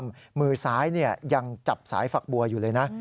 มือซ้ายยังจับสายฝักบัวอยู่เลยนะ